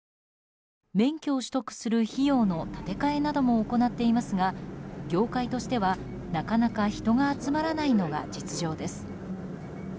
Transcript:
免許を取得する費用の立て替えなども行っていますが業界としては、なかなか人が集まらないのが実情です。